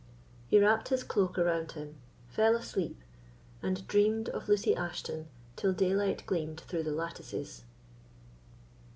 He wrapt his cloak around him, fell asleep, and dreamed of Lucy Ashton till daylight gleamed through the lattices.